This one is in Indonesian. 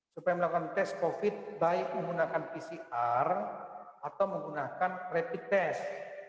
supaya melakukan tes covid baik menggunakan pcr atau menggunakan rapid test